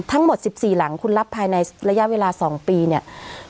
ทั้งหมดสิบสี่หลังคุณรับภายในระยะเวลาสองปีเนี้ย